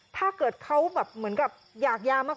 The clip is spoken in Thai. ถ้าเกิดเขาแบบเหมือนกับอยากยามาก